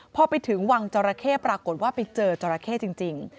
พอไปถึงวังจราเข้ปรากฏว่าไปเจอจราเข้จริง